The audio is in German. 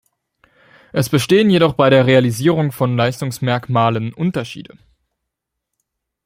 Es bestehen jedoch bei der Realisierung von Leistungsmerkmalen Unterschiede.